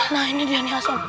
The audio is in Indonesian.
nah ini dia nih asuh